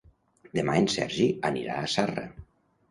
Demà en Sergi anirà a Zarra.